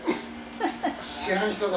知らん人だ。